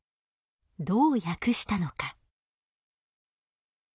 どう訳したのか。